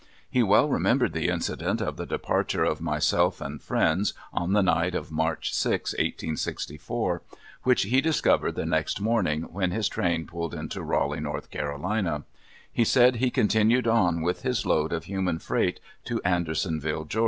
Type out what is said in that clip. He well remembered the incident of the departure of myself and friends on the night of March 6, 1864, which he discovered the next morning when his train pulled into Raleigh, N. C. He said he continued on with his load of human freight to Andersonville, Ga.